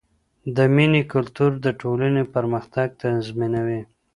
د مینې کلتور د ټولنې پرمختګ تضمینوي.